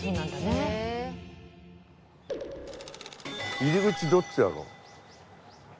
入り口どっちだろ？